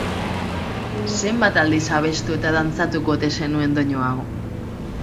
Zenbat aldiz abestu eta dantzatuko ote zenuen doinu hau!